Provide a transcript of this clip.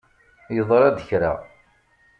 Yeḍṛa-d kra.